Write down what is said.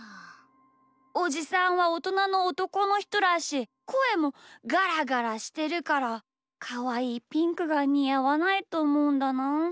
おじさんはおとなのおとこのひとだしこえもガラガラしてるからかわいいピンクがにあわないとおもうんだなあ。